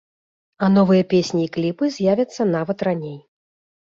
А новыя песні і кліпы з'явяцца нават раней.